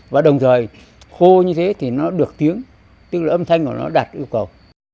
và đồng thời khô như thế thì nó được tiếng tức là âm thanh của nó đạt yêu cầu